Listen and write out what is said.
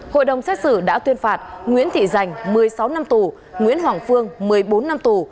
hội đồng xét xử đã tuyên phạt nguyễn thị giành một mươi sáu năm tù nguyễn hoàng phương một mươi bốn năm tù